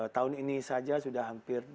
tahun ini saja sudah hampir